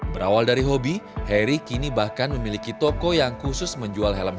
berawal dari hobi heri kini bahkan memiliki toko yang khusus menjual helm